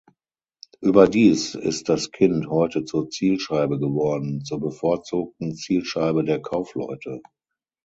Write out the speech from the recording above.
Überdies ist das Kind heute zur Zielscheibe geworden, zur bevorzugten Zielscheibe der Kaufleute.